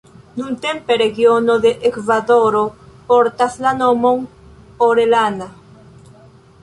Nuntempe regiono de Ekvadoro portas la nomon Orellana.